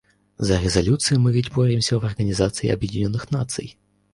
За резолюции мы ведь боремся в Организации Объединенных Наций.